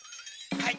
はい。